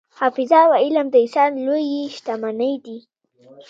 حافظه او علم د انسان لویې شتمنۍ دي.